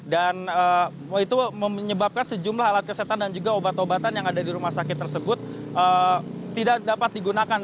dan itu menyebabkan sejumlah alat kesehatan dan juga obat obatan yang ada di rumah sakit tersebut tidak dapat digunakan